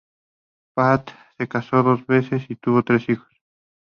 Platt se casó dos veces y tuvo tres hijos.